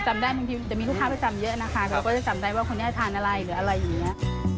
ก็จะจำได้ว่าคุณในที่ทานอะไรหรืออะไรอย่างเงี้ย